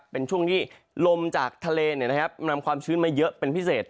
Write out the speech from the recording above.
เป็นช่วงที่ลมจากทะเลนำความชื้นมาเยอะเป็นพิเศษ